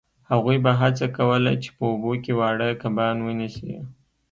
هغوی به هڅه کوله چې په اوبو کې واړه کبان ونیسي